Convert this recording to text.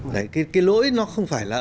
cái lỗi nó không phải là